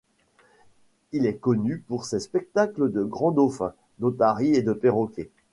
Il est connu pour ses spectacles de grands dauphins, d'otaries et de perroquets.